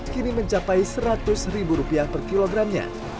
kini mencapai rp seratus per kilogramnya